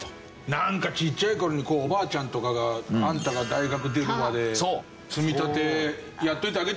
なんかちっちゃい頃におばあちゃんとかが「あんたが大学出るまで積み立てやっといてあげてるんだよ